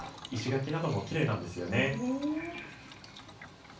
石垣などもきれいなんですよね。